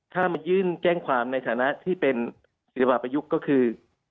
ถ้ามายื่นแจ้งความในฐานะที่เป็นศิลปะประยุกต์ก็คือ